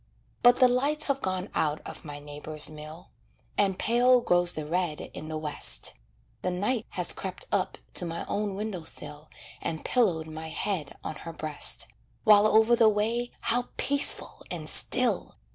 But the lights have gone out of my neighbor's mill, And pale grows the red in the West; The Night has crept up to my own window sill And pillowed my head on her breast, While over the way how peaceful and still!